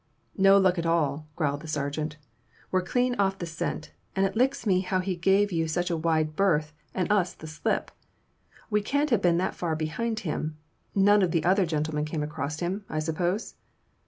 "No luck at all," growled the sergeant. "We're clean off the scent, and it licks me how he gave you such a wide berth and us the slip. We can't have been that far behind him. None of the other gentlemen came across him, I suppose?"